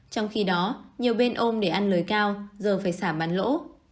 trong khi đó nhiều bên ôm để ăn lời cao giờ phải xả bán lỗ